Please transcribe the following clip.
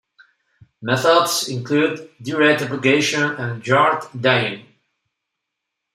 Methods include direct application and yarn dyeing.